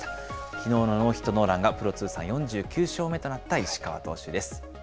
きのうのノーヒットノーランがプロ通算４９勝目となった石川投手です。